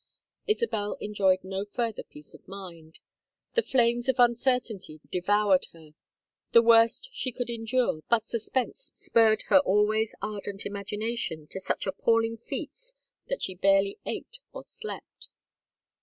Isabel enjoyed no further peace of mind. The flames of uncertainty devoured her. The worst she could endure, but suspense spurred her always ardent imagination to such appalling feats that she barely ate or slept.